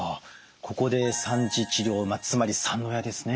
ここで３次治療つまり三の矢ですね。